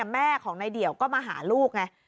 แม่ของนายเดี่ยวก็มาหาลูกไง